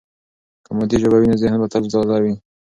که مادي ژبه وي، نو ذهن به تل تازه وي.